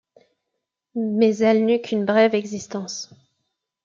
Mais elle n'eut qu'une brève existence.